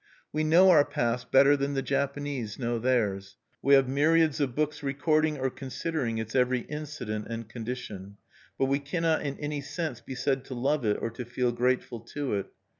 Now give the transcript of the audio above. We know our past better than the Japanese know theirs; we have myriads of books recording or considering its every incident and condition: but we cannot in any sense be said to love it or to feel grateful to it.